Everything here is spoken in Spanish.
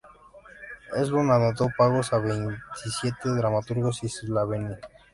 Henslowe anotó pagos a veintisiete dramaturgos isabelinos.